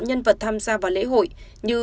nhân vật tham gia vào lễ hội như